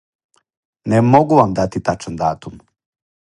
Не могу вам дати тачан датум.